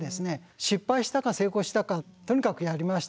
失敗したか成功したかとにかくやりました。